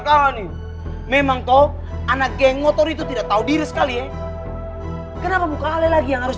kali memang kau anak geng motor itu tidak tahu diri sekali ya kenapa muka leh lagi yang harus